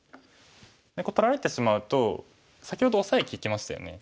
これ取られてしまうと先ほどオサエ利きましたよね。